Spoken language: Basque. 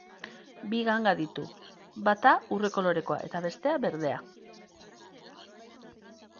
Bi ganga ditu, bata urre kolorekoa eta bestea berdea.